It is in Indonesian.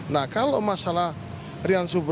nah kalau masalah rian subuh